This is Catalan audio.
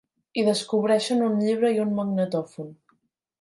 Hi descobreixen un llibre i un magnetòfon.